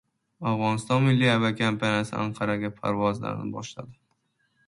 Afg‘oniston milliy aviakompaniyasi Anqaraga parvozlarini boshladi